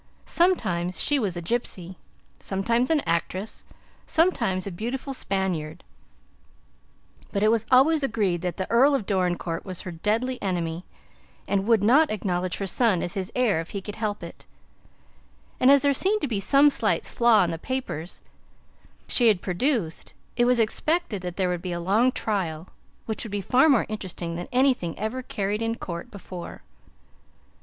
Sometimes she was a gypsy, sometimes an actress, sometimes a beautiful Spaniard; but it was always agreed that the Earl of Dorincourt was her deadly enemy, and would not acknowledge her son as his heir if he could help it, and as there seemed to be some slight flaw in the papers she had produced, it was expected that there would be a long trial, which would be far more interesting than anything ever carried into court before.